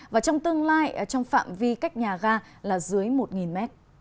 và trong tương lai trong phạm vi cách nhà ga là dưới một m